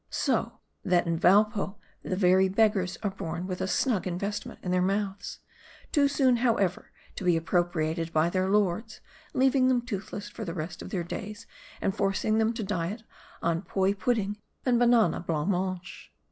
So> that in Valapee the very beggars are born with a snug investment in their mouths ; too soon, however, to be appropriated by their lords ; leaving them toothless for the rest of their days, and forcing them to diet on poee pudding and banana blanc mange.